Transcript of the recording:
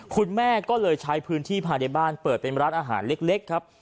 คุณแม่ก็เลยใช้พื้นที่ภายในบ้านเปิดเป็นร้านอาหารเล็กครับ